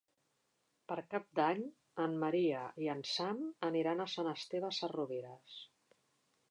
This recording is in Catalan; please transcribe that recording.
Per Cap d'Any en Maria i en Sam aniran a Sant Esteve Sesrovires.